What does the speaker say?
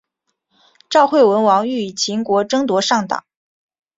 赵惠文王欲与秦国争夺上党。